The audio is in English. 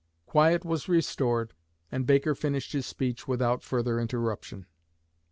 Quiet was restored, and Baker finished his speech without further interruption."